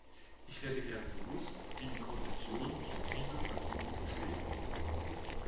Ich hätte gern gewusst, wie die Kommission zu diesem Ersuchen steht.